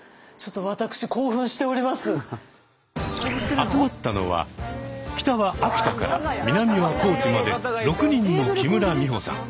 集まったのは北は秋田から南は高知まで６人の木村美穂さん。